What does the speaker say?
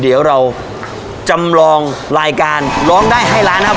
เดี๋ยวเราลองได้ไอ้ร้านครับ